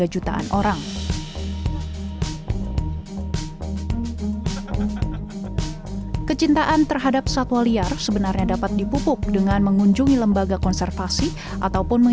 jangan terlalu nafsu